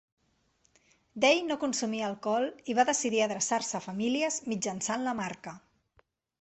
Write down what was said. Day no consumia alcohol, i va decidir adreçar-se a famílies mitjançant la marca.